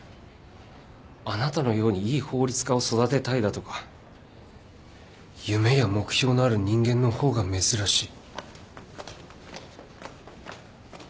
あなたのようにいい法律家を育てたいだとか夢や目標のある人間の方が珍しい。